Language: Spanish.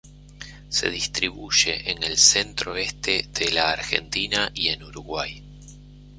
Se distribuye en el centro-este de la Argentina y en Uruguay.